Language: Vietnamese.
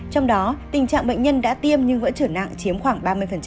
trong đó tình trạng bệnh nhân đã tiêm nhưng vẫn trở nặng chiếm khoảng ba mươi